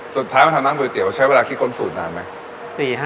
สุดท้ายมาทำร้านก๋วเตี๋ใช้เวลาคิดค้นสูตรนานไหม